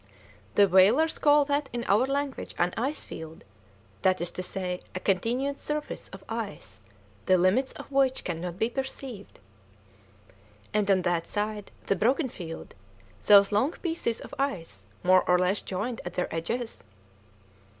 "The whalers call that in our language an ice field, that is to say a continued surface of ice the limits of which cannot be perceived." "And on that side, that broken field, those long pieces of ice more or less joined at their edges?"